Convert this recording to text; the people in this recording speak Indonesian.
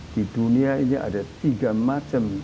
di dunia ini ada tiga macam